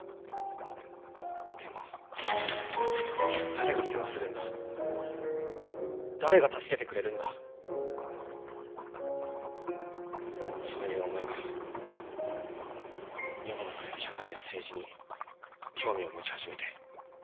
でもじゃあ誰が世話するんだ誰が助けてくれるんだそういう思いから世の中や社会や政治に興味を持ち始めて。